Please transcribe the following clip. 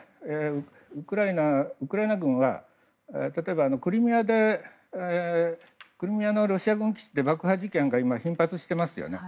今、ウクライナ軍は例えばクリミアのロシア軍基地で爆破事件が今、頻発していますよね。